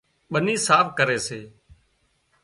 ٻني صاف ڪري سي